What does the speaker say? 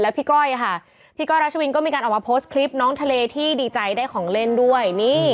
พี่ก้อยค่ะพี่ก้อยรัชวินก็มีการออกมาโพสต์คลิปน้องทะเลที่ดีใจได้ของเล่นด้วยนี่